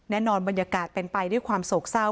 บรรยากาศเป็นไปด้วยความโศกเศร้า